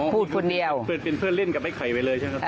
พูดคนเดียวเป็นเพื่อนเล่นกับไอ้ไข่ไปเลยใช่ไหม